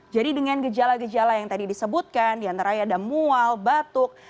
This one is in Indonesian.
jadi dengan gejala gejala yang tadi disebutkan diantara ada mual batuk